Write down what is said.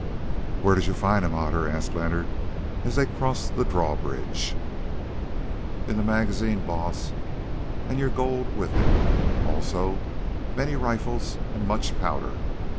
"Where did you find him, Otter?" asked Leonard as they crossed the drawbridge. "In the magazine, Baas, and your gold with him, also many rifles and much powder.